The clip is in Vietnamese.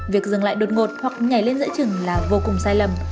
việc dừng lại đột ngột hoặc nhảy lên dãy trừng là vô cùng sai lầm